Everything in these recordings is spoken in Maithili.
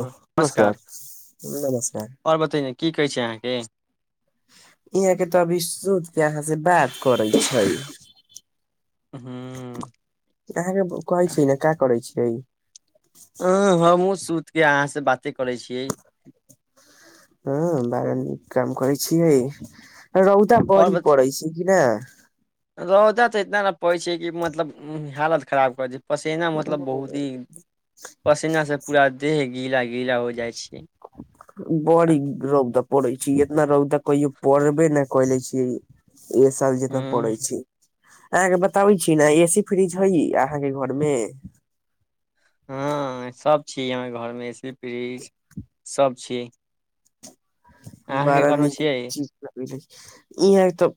ओ नमस्कार नमस्कार आओर बतैय की कहै छै अहाँके यहाँ के तऽ अभी सुत के यहाँ से बात करे छै हँ अहाँके कहै छी ने क्या करै छियै अ हमहु सुत के अहाँ से बाते करे छीयै हँ बारह नीक काम करै छियै रौदा आओर बढ़ी बत पड़ै छै कि न रौदा तऽ इतना ने पड़ै छै कि मतलब हालत खराब करऽ दे पसेना मतलब बहुत ही पसेनासँ पूरा देह गीला गीला हो जाइ छै बड़ी रौदा पड़ै छै इतना रौदा कहियो पड़बे ने कऽ ले छीयै एक साल जेतना पड़ै हूँ छी अहाँके बताबै छी ने ए सी फ्रिज हइ अहाँके घर में हँ सब छी हमहाँर घरमे ए सी फ्रिज सब छी बड़ा नीक छियै ची भऽ लागल इहा तऽ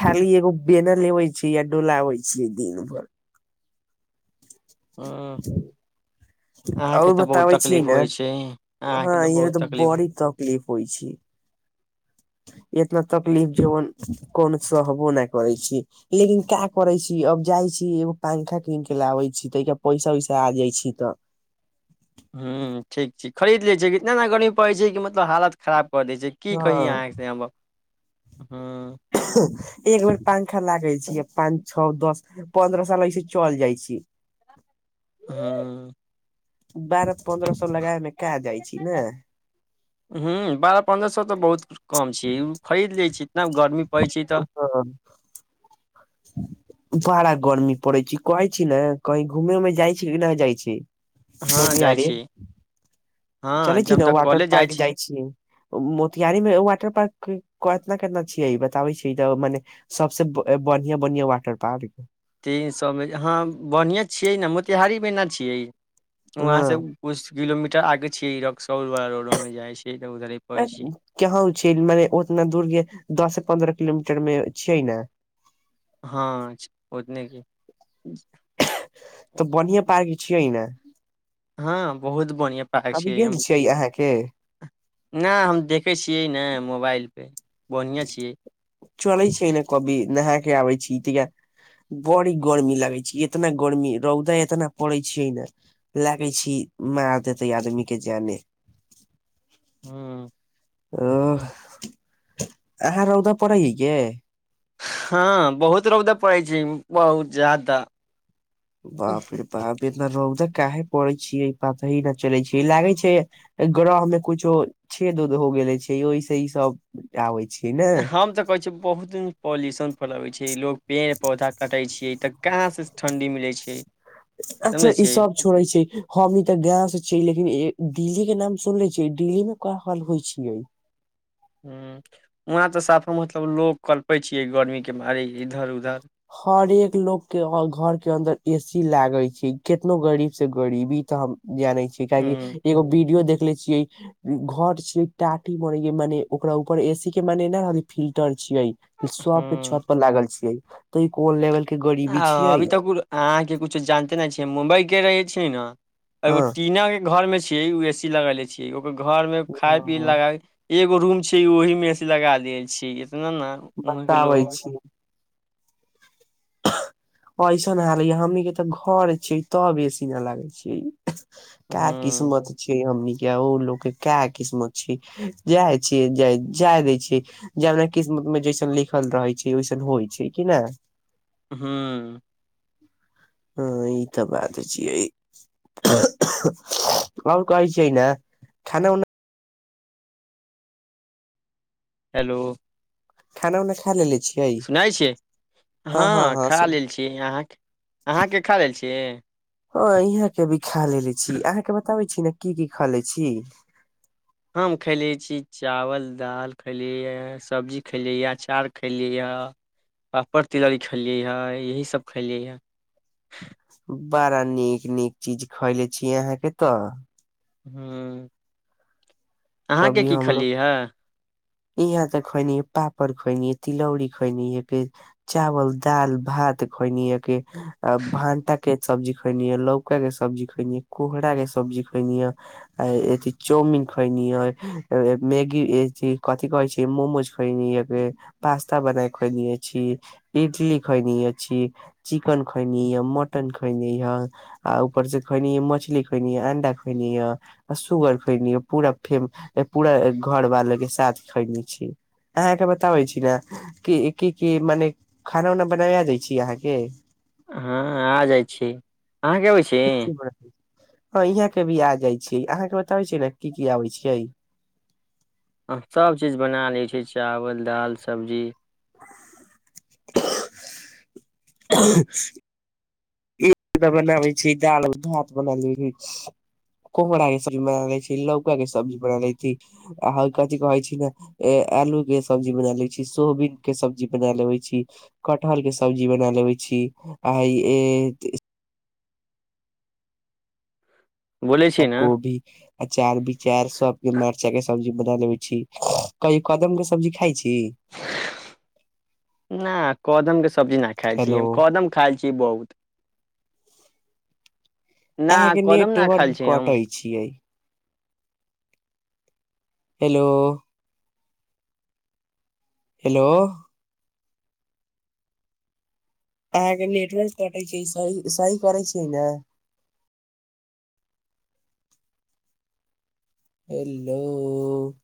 खाली एगो बेना लेबे छि आ डोलाबय छै दिन भर हँ आर बताबै छीयै तकलीफ ने होइ छै अहाँके हँ यह बहुत तऽ तकलीफ बड़ी तक क्लीप होइ छी इतना तकलीफ जेवन कोनो सहबो नय करय छी लेकिन क्या करे छी अब जाइ छी एगो पंखा कीन के लाबे छी तै पैसा उैसा आ जाइ छी तऽ हं ठीक छै खरीद ले छ इतना एना गर्मी पड़ै छै कि मतलब हालत खराब कर दै छै की कही हँ अहाँ से हम हूँ एक बेर पंखा लागे छी आ पान छओ दस पन्द्र साल हइस चलि जाइ छय [unintelligible] बारह पन्द्रह सए लगाब मे का‌ जाइ छी ने हूँ बारह पन्द्रह सए तऽ बहुत कुछ कम छै ओ खरीद लै छी गर्मी पड़ै छै तऽ [unintelligible] बड़ा गर्मी पड़ै छै कहै छी ने कहीं घूमे मे जाइ छी कि नहि जाइ छी हँ जाइ मोतिहारी छी हँ चलै छी हम न तऽ वाटर कॉलेज पार्क जाइ छी मोतिहारी मे वाटर पार्क केतना कतना छियै बताबै छै तऽ मने सबसे बढ़ियां बढ़िया वाटर पार्क तीन सौ मे हँ बढ़िएँ छियै ने मोतिहारी मे ना छियै वहाँसँ हँ कुछ किलोमीटर आगे छियै रक्सॉल बाला रोड मे जाइ छै उधरे पड़ै छियै केहो छीए माने ओतना दूर के दस से पन्द्रह किलोमीटर मे छियै ने हँ ओतने के [inaudible] तऽ बढ़आ पार्क छियै ने हँ बहुत बढ़िआं पार्क कभी छियै हम गेल अहाँके [inaudible] ना हम देखै छियै ने मोबाइल पर बढ़िएँ छियै चलै छै न कभी नाह क आबै छी बड़ी गर्मी लागै छै इतना गर्मी रौदा इतना पड़ै छैै ने लागै छी मार देतै आदमी के जाने हूँ [inaudible] आहाँ रोदा पड़ै य हँ बहुत रौदा पड़ै छै बहुत ज्यादा बाप रे बाप इतना रौद काहे पड़ै छियै पता ही न चलै छै ई लागे छै ग्रह मे कुछो छेद उद हो गेले छै ओहिस ई सब आबै छीय ने हम त कहै छै बहुत पॉल्यूशन फैलाबैय छिये लोग पेड़ पौधा कटै छैै त कहाँ से ठण्डी मिलै छै ए अच्छ ई सब छोड़े छै हम नी ते गांव से छीय लेकिन दिल्ली के नाम सुन ले छियै दिल्ली मे क हाल होइ छियै ह वहाँ तऽ साफे मतलब लोक कलपै छियै गर्मीके बारे इधर उधर हरेक लोक के घर के अंदर ए सी लागे छै केतनो गरीब से गरीबी तऽ हम जानै छीय काहेकि एगो वीडियो देखले छियै घर छ टाटी मरेइ मने ओकरा ऊपर ए सी के मने ने रह फिल्टर छियै सब के ह छत पर लागल छियै त ई कोन लेवल के गरीबी छियै अहाँ के कुछो जानते न छी मुम्बई के रहे छीए न एगो हाँ टीना के घर में छीये ए सी लग ले छीय ओ घर में खाय पी लगाय एगो रूम छै ओहि मे ए सी लगा लेन छी इतना ने वहाँ के बताबै लोग छी ऐसन हाल य हमीनी के त घर छियै तब ए सी न लागे छीये [inaudible] का हूँ किस्मत छ हमने ओ लोक के क किस्मत छै जाय छी जा जाय दै छी जेना किस्मत मे जैसन लिखल रहै छै ओैसन होइ छै कि ने हूँ हँ ई त बात छियै ओर कहै छै ने खाना उना हेल्लो खाना उना खा लैले छिए सुनै छिय हँ खा लेल छी अहाँ अहाँके खा लेल छिए ह इहाँ के भी खा लेलेे छी अहाँके बताबै छी ने की की खा ले छि हम खेलियै छी चावल दालि खेलियैए सब्जी खेलियैए अचार खेलिएयैया पापड़ तिलौरी खेलियै य यही सब खेलियै बङा नीक नीक चीज खयले छीय अहाँके त हूँ अहाँके कभी की हमलोग खलियै ह यहाँ त खएनी पापड़ खएनी तिलौड़ी खएनि य चावल डाल भात घनि अके भानता के सब्जी खैएनी य लौका के सब्जी खैएनी य कोहरा के सब्जी खैएनी य आ अथी चौउमीन खइनि खएनी मैगी कथी कह छी मोमोज खनि एक बैर पास्ता बना खएनी अछि इडली खएनी अछि चिकन खयनी य मटन खयनी य आ ऊपर से खयनी मछली खोयनी अंडा खयनी सुगर खयनी पूरा फेर पूरा घर वालो के साथ खयने छी अहाँके बताबै छी ने क की की मने खाना उना बनावा दै छी आहाके हँ आ जाइ छी अहाँके अबै छी ह यहाँ के भी आ जाइ छीयै अहाँ के बताबै छीयै ने की की आबै छियै सभचीज बना लै छिये चावल दाल सब्जी [unintelligible] बनाबै छै दाल भात बना लै अछि कोहरा के सब्जी बना लै छी लौका के सब्जी बना ले छी आ कथि कहै छी नै आलू के सब्जी बना ले छी सोबीन के सब्जी बना लेे छि कटहल के सब्जी बना लेबे छी आ बोलै आ छी न कोभी अचार विचार सबके मरचा के सब्जी बना लेबे छी कई कदम के सब्जी खाइ छि नहि कदम के सब्जी नहि खाई छी हेलो कदम खा छी बहुत ना अहाँ के कदम ना नेटवर्क खायल छी हम कटे छियै हेलो हैलो अहाँके नेटवर्क कटैत छै सही सही करै छैय ना हेलो